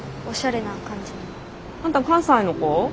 あんた関西の子？